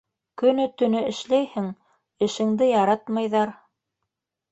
— Көнө-төнө эшләйһең, эшеңде яратмайҙар.